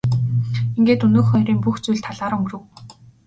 Ингээд өнөөх хоёрын бүх зүйл талаар өнгөрөв.